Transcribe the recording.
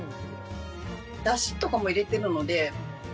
だしとかも入れてるのでだし